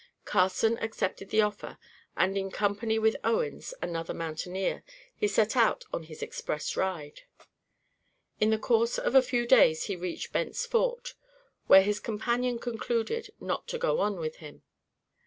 Carson accepted the offer, and in company with Owens, another mountaineer, he set out on his express ride. In the course of a few days he reached Bent's Fort, where his companion concluded not to go on with him.